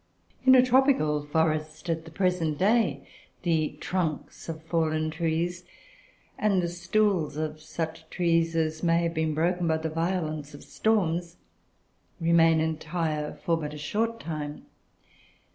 In a tropical forest, at the present day, the trunks of fallen trees, and the stools of such trees as may have been broken by the violence of storms, remain entire for but a short time.